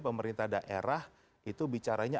pemerintah daerah itu bicaranya